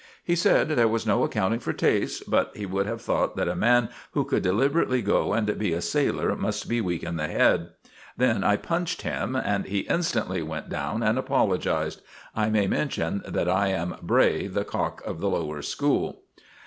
He said there was no accounting for tastes, but he should have thought that a man who could deliberately go and be a sailor must be weak in the head. Then I punched him, and he instantly went down and apologized. I may mention that I am Bray, the cock of the Lower School.